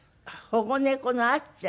保護猫のあっちゃん。